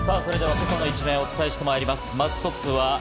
今朝の一面お伝えしてまいります。